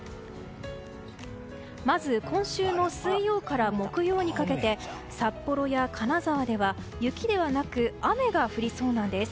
まず、今週の水曜から木曜にかけて札幌や金沢では雪ではなく雨が降りそうなんです。